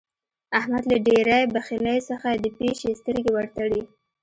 احمد له ډېرې بخيلۍ څخه د پيشي سترګې ور تړي.